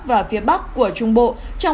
và phía bắc của trung bộ